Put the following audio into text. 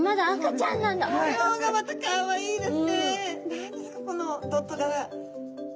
何ですかこのドット柄。